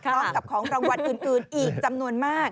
ร่วมกับของรางวัลคืนอีกจำนวนมาก